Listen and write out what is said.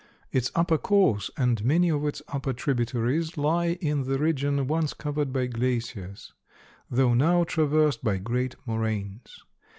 Its upper course and many of its upper tributaries lie in the region once covered by glaciers, though now traversed by great moraines.